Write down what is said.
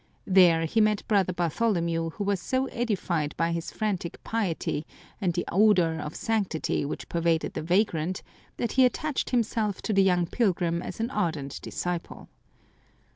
There he met Brother Bartholomew, who was so edified by his frantic piety and the odour of sanctity which pervaded the vagrant, that he attached himself to the young pilgrim as an ardent disciple.